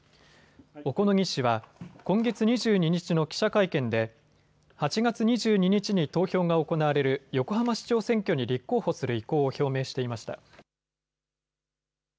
小此木氏は今月２２日の記者会見で８月２２日に投票が行われる横浜市長選挙に立候補する意向を表明していました。